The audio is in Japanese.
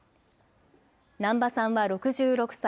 難波さんは６６歳。